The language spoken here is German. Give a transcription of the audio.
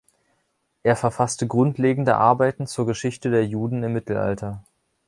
Er verfasste grundlegende Arbeiten zur Geschichte der Juden im Mittelalter.